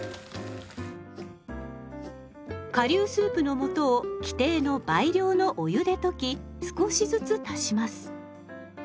顆粒スープの素を規定の倍量のお湯で溶き少しずつ足します。